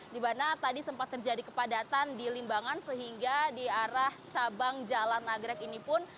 di mana tadi sempat terjadi kepadatan di limbangan sehingga di arah cabang jalan nagrek ini pun